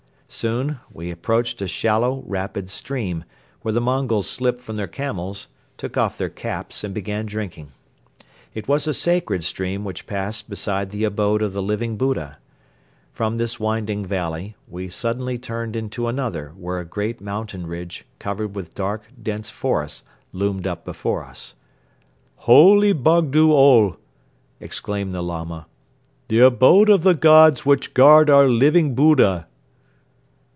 Soon we approached a shallow, rapid stream, where the Mongols slipped from their camels, took off their caps and began drinking. It was a sacred stream which passed beside the abode of the Living Buddha. From this winding valley we suddenly turned into another where a great mountain ridge covered with dark, dense forest loomed up before us. "Holy Bogdo Ol!" exclaimed the Lama. "The abode of the Gods which guard our Living Buddha!"